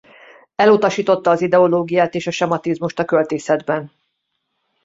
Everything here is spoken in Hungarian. Elutasította az ideológiát és a sematizmust a költészetben.